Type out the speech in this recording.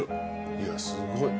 いやすごい。